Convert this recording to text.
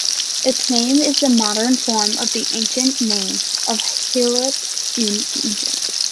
Its name is the modern form of the ancient name of Heliopolis in Egypt.